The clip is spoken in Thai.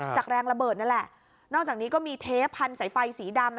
แรงระเบิดนั่นแหละนอกจากนี้ก็มีเทปพันธุ์สายไฟสีดำ